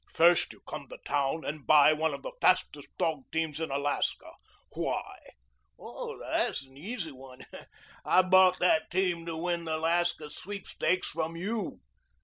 First, you come to town and buy one of the fastest dog teams in Alaska. Why?" "That's an easy one. I bought that team to win the Alaska Sweepstakes from you.